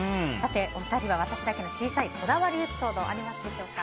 お二人は、私だけの小さいこだわりエピソードありますでしょうか？